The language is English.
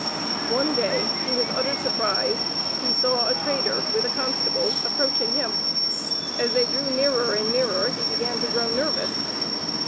One day, to his utter surprise, he saw a trader with a constable approaching him. As they drew nearer and nearer he began to grow nervous.